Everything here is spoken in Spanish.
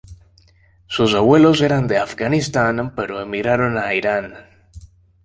Sus abuelos eran de Afganistán pero emigraron a Irán.